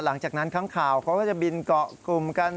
หลังจากนั้นครั้งข่าวเขาก็จะบินเกาะกลุ่มกัน